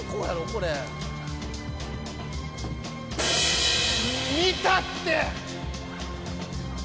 これ見たって！